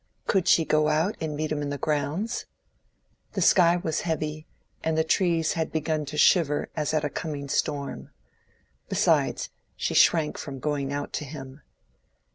Could she go out and meet him in the grounds? The sky was heavy, and the trees had begun to shiver as at a coming storm. Besides, she shrank from going out to him.